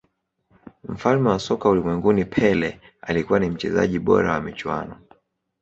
mfalme wa soka ulimwenguni pele alikuwa ni mchezaji bora wa michuano